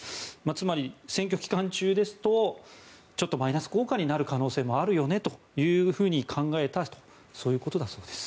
つまり選挙期間中ですとちょっとマイナス効果になるよねと考えたとそういうことだそうです。